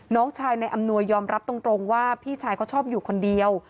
น้องชายในอำนวยยอมรับตรงว่าพี่ชายเขาชอบอยู่คนเดียว